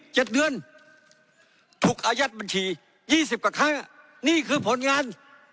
๑ปี๗เดือนถูกอาญาตบัญชี๒๐กว่าครั้งนี่คือผลงาน